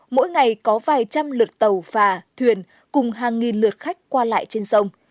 mỗi ngày có vài trăm lượt tàu phà thuyền cùng hàng nghìn lượt khách qua lại trên sông